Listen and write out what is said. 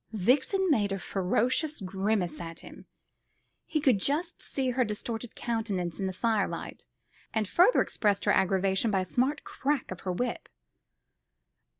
Vixen made a ferocious grimace at him he could just see her distorted countenance in the fire light and further expressed her aggravation by a smart crack of her whip.